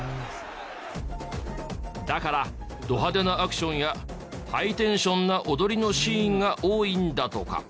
だからド派手なアクションやハイテンションな踊りのシーンが多いんだとか。